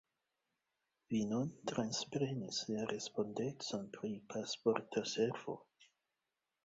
Vi nun transprenis la respondecon pri Pasporta Servo.